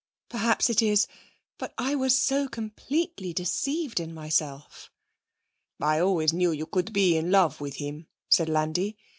'Perhaps it is. But I was so completely deceived in myself.' 'I always knew you could be in love with him,' said Landi.